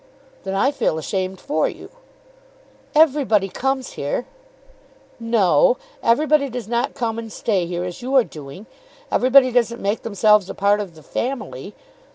"Then I feel ashamed for you." "Everybody comes here." "No; everybody does not come and stay here as you are doing. Everybody doesn't make themselves a part of the family.